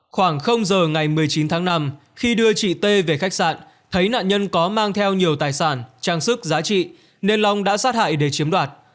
khoảng giờ ngày một mươi chín tháng năm khi đưa chị t về khách sạn thấy nạn nhân có mang theo nhiều tài sản trang sức giá trị nên long đã sát hại để chiếm đoạt